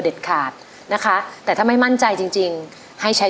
โปรดติดตามต่อไป